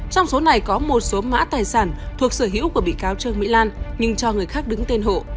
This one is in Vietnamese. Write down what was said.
trong số này có một số mã tài sản thuộc sở hữu của bị cáo trương mỹ lan nhưng cho người khác đứng tên hộ